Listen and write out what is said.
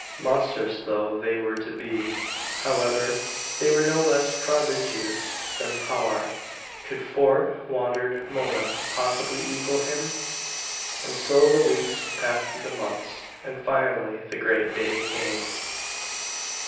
Monstrous though they were to be, however, they were no less prodigious than Powart. Could Fort, wondered Mona, possibly equal him? And so the weeks passed into months, and finally the great day came.